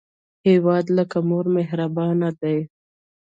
هیواد لکه مور مهربانه دی